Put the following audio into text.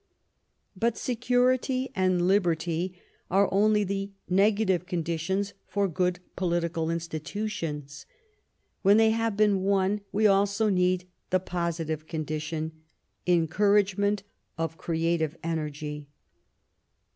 But security and liberty are only the negative conditions for good political institutions. When they have been won, we need also the positive condition: encouragement of creative energy.